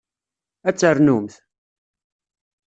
Ad ternumt?